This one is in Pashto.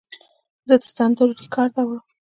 زه د سندرو ریکارډ اورم.